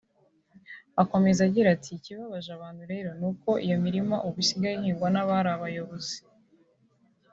Akomeza agira ati “Icyababaje abantu rero ni uko iyo mirima ubu isigaye ihingwa n’abari abayobozi